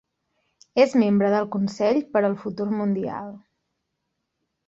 És membre del Consell per al Futur Mundial.